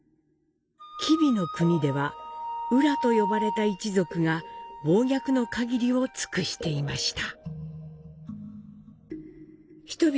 吉備国では、温羅と呼ばれた一族が暴虐の限りを尽くしていました。